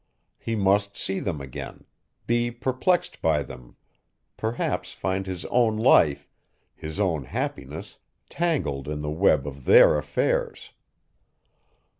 He must see them again, be perplexed by them, perhaps find his own life, his own happiness, tangled in the web of their affairs.